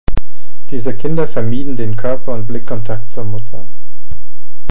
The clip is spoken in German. Diese Kinder vermieden den Körper- und Blickkontakt zur Mutter.